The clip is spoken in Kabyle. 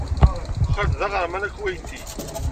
Xaled d aɣerman akuweyti.